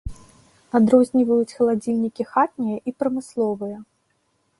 Адрозніваюць халадзільнікі хатнія і прамысловыя.